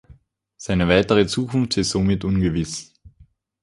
Seine weitere Zukunft ist somit ungewiss.